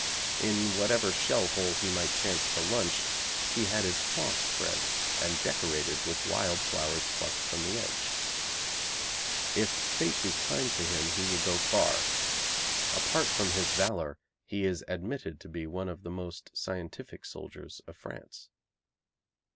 In whatever shell hole he might chance to lunch he had his cloth spread and decorated with wild flowers plucked from the edge. If fate be kind to him he will go far. Apart from his valour he is admitted to be one of the most scientific soldiers of France.